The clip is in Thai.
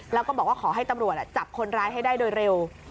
แล้วก็บอกว่าขอให้ตำรวจจับคนร้ายให้ได้โดยเร็ว